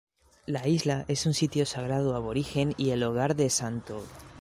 La isla es un sitio sagrado aborigen y el hogar de St.